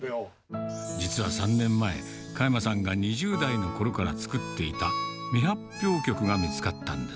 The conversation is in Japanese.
実は３年前、加山さんが２０代のころから作っていた未発表曲が見つかったんです。